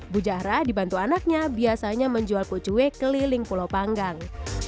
bu jahra dibantu anaknya biasanya menjual kucue keliling pulau panggang